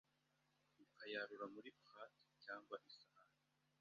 ukayarura muri plat cyangwa isahani,